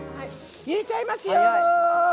入れちゃいますよ！